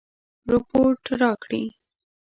رپوټ راکړي.